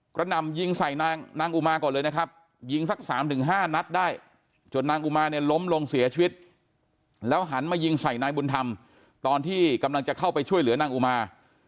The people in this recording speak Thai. หนำยิงใส่นางอุมาก่อนเลยนะครับยิงสัก๓๕นัดได้จนนางอุมาเนี่ยล้มลงเสียชีวิตแล้วหันมายิงใส่นายบุญธรรมตอนที่กำลังจะเข้าไปช่วยเหลือนางอุมา